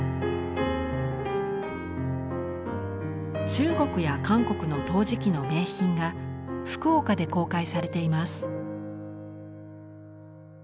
中国や韓国の陶磁器の名品が福岡で公開されています。